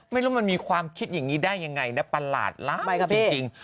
ไม่รู้มันมีความคิดอย่างนี้ได้ยังไงนะประหลาดละไม่ครับจริง